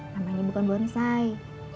namanya bukan bonsai